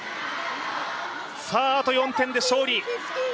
あと４点で勝利。